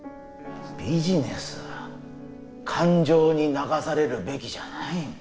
ビジネスは感情に流されるべきじゃない。